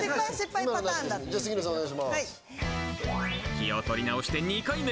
気を取り直して２回目。